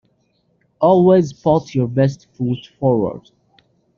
Always put your best foot forward.